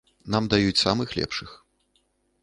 Нам даюць самых лепшых.